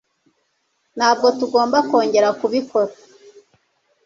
Ntabwo tugomba kongera kubikora.